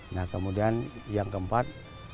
nah kemudian yang keempat